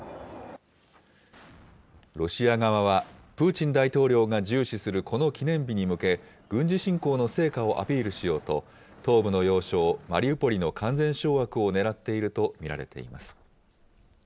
ロシア側はプーチン大統領が重視するこの記念日に向け、軍事侵攻の成果をアピールしようと、東部の要衝マリウポリの完全掌握をねらっていると見られています。